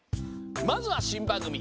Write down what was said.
まずはしんばんぐみ